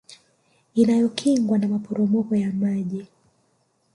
Inayokingwa na maporomoko ya maji